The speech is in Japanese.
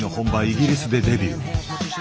イギリスでデビュー。